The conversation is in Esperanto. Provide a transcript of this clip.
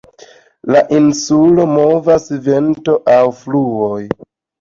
La insulon movas vento aŭ fluoj.